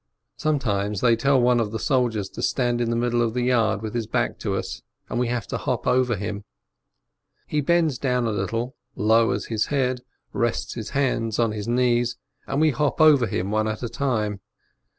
Sometimes they tell one of the soldiers to stand in the middle of the yard with his back to us, and we have to hop over him. He bends down a little, lowers his head, rests his hands on his knees, and we hop over him one at a time.